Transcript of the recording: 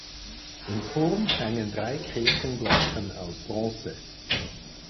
Im Turm hängen drei Kirchenglocken aus Bronze.